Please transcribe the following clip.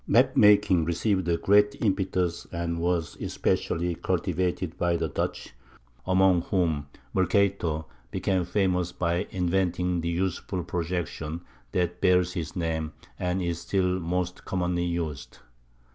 Map making received a great impetus and was especially cultivated by the Dutch, among whom Mercator became famous by inventing the useful projection that bears his name and is still most commonly used.